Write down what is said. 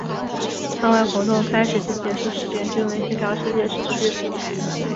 舱外活动开始及结束时间均为协调世界时时区。